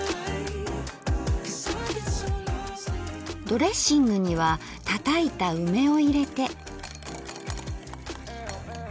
ドレッシングにはたたいた梅を入れて。